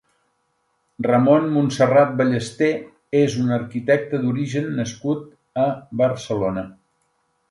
Ramón Montserrat Ballesté és un arquitecte d'origen nascut a Barcelona.